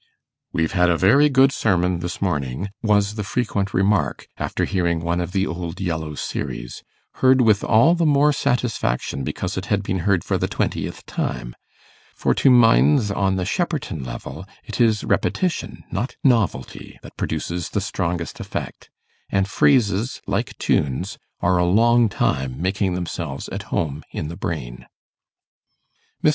'We've had a very good sermon this morning', was the frequent remark, after hearing one of the old yellow series, heard with all the more satisfaction because it had been heard for the twentieth time; for to minds on the Shepperton level it is repetition, not novelty, that produces the strongest effect; and phrases, like tunes, are a long time making themselves at home in the brain. Mr.